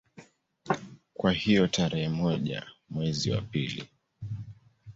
Kwa hiyo tarehe moja mwezi wa pili